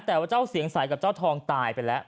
แต่ว่าเจ้าเสียงใสกับเจ้าทองตายไปแล้ว